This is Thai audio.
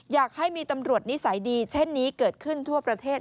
อยากให้มีตำรวจนิสัยดีเช่นนี้เกิดขึ้นทั่วประเทศ